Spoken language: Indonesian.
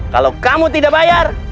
kalau kamu tidak bayar